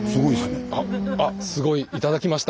あっ「すごい」頂きました。